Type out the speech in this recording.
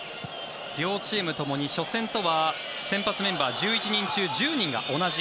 両チームともに初戦とは先発メンバー１１人中１０人が同じ。